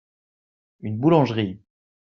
une boulangerie.